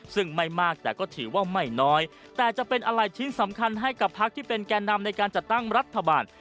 ซึ่งไม่มากแต่ก็ถือว่าไม่น้อยแต่จะเป็นอะไรชิ้นสำคัญให้กับพักที่เป็นแก่นำในการจัดตั้งรัฐบาล